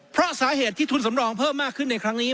เพราะสาเหตุที่ทุนสำรองเพิ่มมากขึ้นในครั้งนี้